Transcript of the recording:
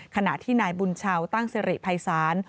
ขณะที่นายบุญชาวตั้งสิริภัยศาล